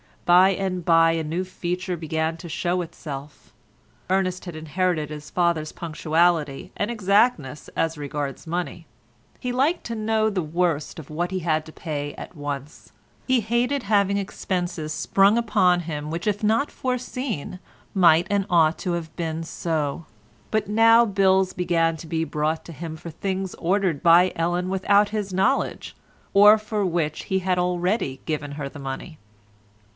By and by a new feature began to show itself. Ernest had inherited his father's punctuality and exactness as regards money; he liked to know the worst of what he had to pay at once; he hated having expenses sprung upon him which if not foreseen might and ought to have been so, but now bills began to be brought to him for things ordered by Ellen without his knowledge, or for which he had already given her the money.